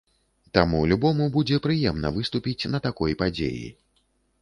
Таму любому будзе прыемна выступіць на такой падзеі.